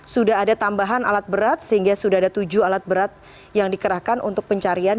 sudah ada tambahan alat berat sehingga sudah ada tujuh alat berat yang dikerahkan untuk pencarian